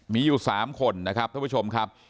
มีอยู่๓คนนะครับท่านผู้ชมครับ